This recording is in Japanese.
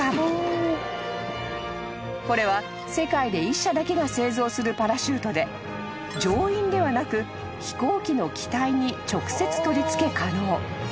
［これは世界で１社だけが製造するパラシュートで乗員ではなく飛行機の機体に直接取り付け可能］